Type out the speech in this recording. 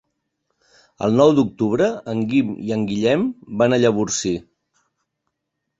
El nou d'octubre en Guim i en Guillem van a Llavorsí.